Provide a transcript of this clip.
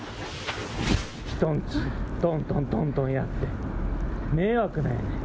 人んち、とんとんとんとんやって、迷惑やねん。